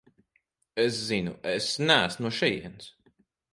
Es zinu, es neesmu no šejienes.